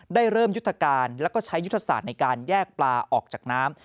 ได้เริ่มยุทธการแล้วก็ใช้ยุทธศาสตร์ในการแยกปลาออกจากน้ำ